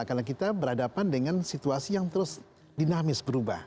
karena kita berhadapan dengan situasi yang terus dinamis berubah